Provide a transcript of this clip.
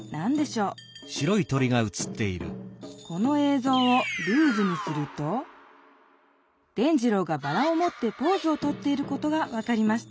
ぞうをルーズにすると伝じろうがバラをもってポーズをとっていることが分かりました。